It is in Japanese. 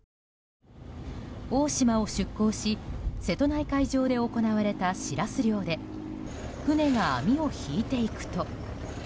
大島を出港し、瀬戸内海上で行われたシラス漁で船が網を引いていくと。